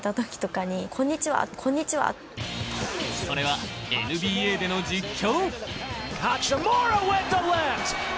それはＮＢＡでの実況。